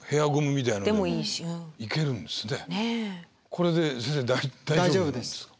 これで先生大丈夫なんですか？